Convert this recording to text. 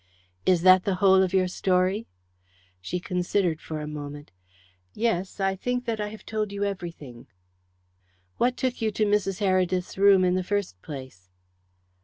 "Is that the whole of your story?" She considered for a moment. "Yes, I think that I have told you everything." "What took you to Mrs. Heredith's room in the first place?"